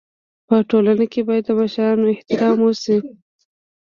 په ټولنه کي بايد د مشرانو احترام وسي.